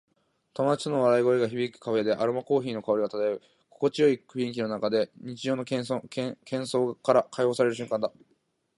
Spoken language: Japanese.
友達との笑い声が響くカフェで、アロマコーヒーの香りが漂う。心地よい雰囲気の中で、日常の喧騒から解放される瞬間だ。